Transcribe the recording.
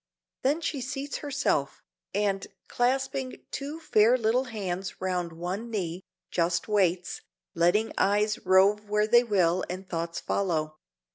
Then she seats herself, and, clasping two fair little hands round one knee, just waits, letting eyes rove where they will and thoughts follow.